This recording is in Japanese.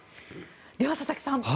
では、佐々木さん。